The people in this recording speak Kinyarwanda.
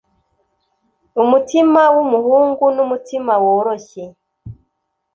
umutima wumuhungu numutima woroshye